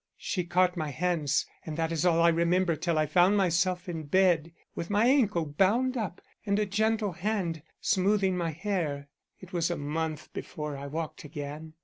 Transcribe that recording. She caught my hands and that is all I remember till I found myself in bed, with my ankle bound up and a gentle hand smoothing my hair. It was a month before I walked again.